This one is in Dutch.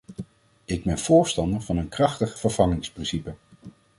Ik ben voorstander van een krachtig vervangingsprincipe.